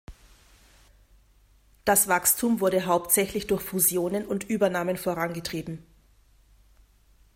Das Wachstum wurde hauptsächlich durch Fusionen und Übernahmen vorangetrieben.